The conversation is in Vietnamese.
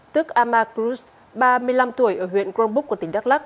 tức amakrus ba mươi năm tuổi ở huyện grombuk của tỉnh đắk lắc